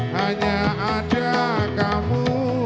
hanya ada kamu